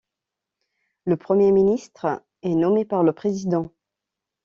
Le Premier ministre est nommé par le président.